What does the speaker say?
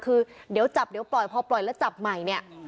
คือเดี๋ยวจับเดี๋ยวปล่อยพอปล่อยแล้วจับใหม่เนี่ย